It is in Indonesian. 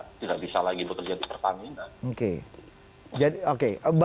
tidak bisa lagi bekerja di pertamina